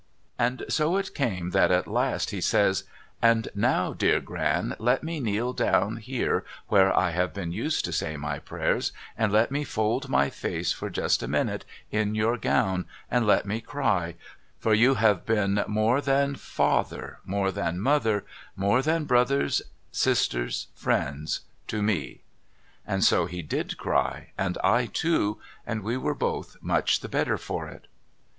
And so it came that at last he says 'And now dear (iran let me kneel down here where I have been used to say my prayers and let me fold my face for just a minute in your gown and let me cry, for you have been more than father — more than mother — more than brothers sisters friends — to me !' And so he did cry and I too and we were both much the better for it.